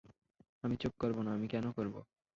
আমি চুপ করবো না, আমি কেন করবো?